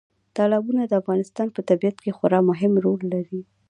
تالابونه د افغانستان په طبیعت کې خورا مهم رول لري.